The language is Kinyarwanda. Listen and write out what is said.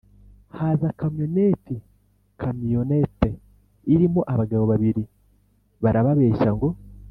Haza kamyoneti camionnette irimo abagabo babiri barababeshya ngo